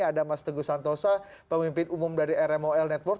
ada mas teguh santosa pemimpin umum dari rmol network